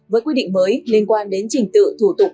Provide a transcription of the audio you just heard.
với quy định mới liên quan đến trình tự thủ tục